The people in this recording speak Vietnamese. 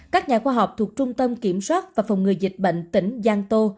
các nhà khoa học thuộc trung tâm kiểm soát và phòng ngừa dịch bệnh tỉnh giang tô